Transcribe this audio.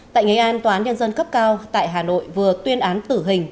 tại nghệ an tòa án nhân dân cấp cao tại hà nội vừa tuyên án tử hình